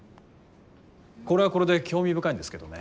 これはこれで興味深いんですけどね。